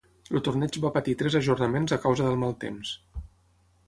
El torneig va patir tres ajornaments a causa del mal temps.